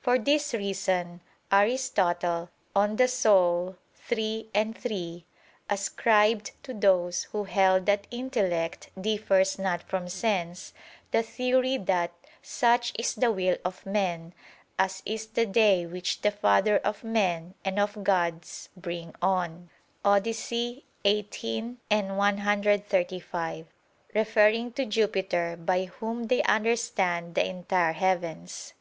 For this reason Aristotle (De Anima iii, 3) ascribed to those who held that intellect differs not from sense, the theory that "such is the will of men, as is the day which the father of men and of gods bring on" [*Odyssey xviii. 135] (referring to Jupiter, by whom they understand the entire heavens).